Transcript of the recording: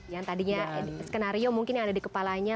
yang tadinya skenario mungkin yang ada di kepalanya